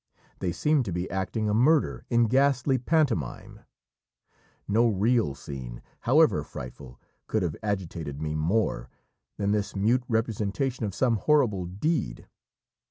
They seemed to be acting a murder in ghastly pantomime. No real scene, however frightful, could have agitated me more than this mute representation of some horrible deed.